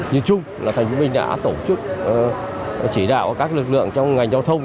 nhìn chung là thành phố mình đã tổ chức chỉ đạo các lực lượng trong ngành giao thông